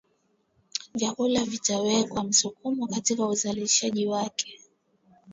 Vyakula vitawekewa msukumo katika uzalishaji wake